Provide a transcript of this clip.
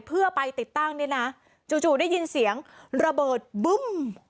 เพื่อไปติดตั้งเนี่ยนะจู่ได้ยินเสียงระเบิดบึ้ม